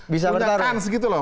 punyakan segitu loh